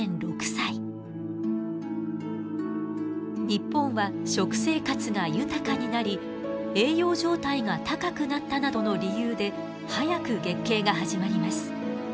日本は食生活が豊かになり栄養状態が高くなったなどの理由で早く月経が始まります。